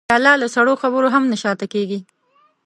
پیاله له سړو خبرو هم نه شا ته کېږي.